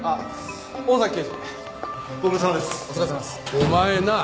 お前なあ。